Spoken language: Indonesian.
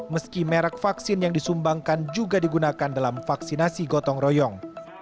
meski merek vaksin yang disumbangkan juga digunakan dalam vaksinasi gotong royong